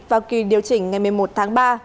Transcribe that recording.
vào kỳ điều chỉnh ngày một mươi một tháng ba